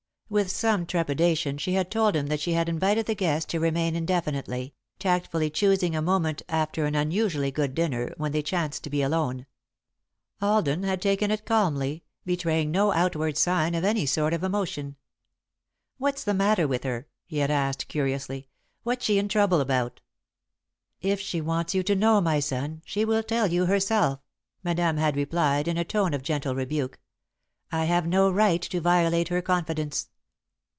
With some trepidation, she had told him that she had invited the guest to remain indefinitely, tactfully choosing a moment after an unusually good dinner, when they chanced to be alone. Alden had taken it calmly, betraying no outward sign of any sort of emotion. "What's the matter with her?" he had asked, curiously. "What's she in trouble about?" "If she wants you to know, my son, she will tell you herself," Madame had replied, in a tone of gentle rebuke. "I have no right to violate her confidence."